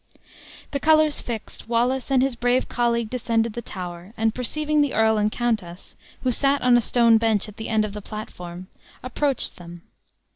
The colors fixed, Wallace and his brave colleague descended the tower; and perceiving the earl and countess, who sat on a stone bench at the end of the platform, approached them.